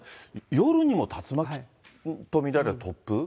夜にも竜巻と見られる突風？